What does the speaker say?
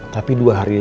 tapi dua hari